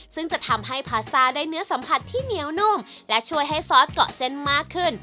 ซึ่งจะทำให้พาซ่าได้เนื้อสัมผัสที่เหนียวนุ่มและช่วยให้ซอสเกาะเส้นมากขึ้น